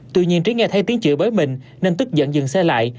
tuy nhiên trí nghe thấy tiếng chửi bới mình nên tức giận dừng xe lại